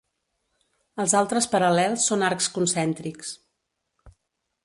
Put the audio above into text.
Els altres paral·lels són arcs concèntrics.